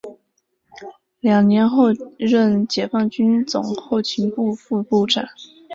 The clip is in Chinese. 两年后任解放军总后勤部副部长。